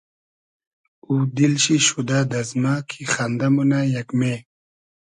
او دیل شی شودۂ دئزمۂ کی خئندۂ مونۂ یئگمې